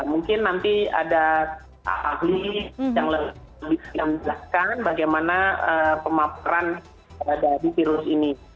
mungkin nanti ada ahli yang lebih menjelaskan bagaimana pemaparan dari virus ini